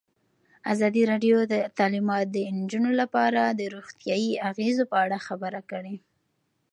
ازادي راډیو د تعلیمات د نجونو لپاره په اړه د روغتیایي اغېزو خبره کړې.